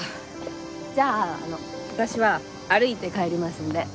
じゃああの私は歩いて帰りますんで。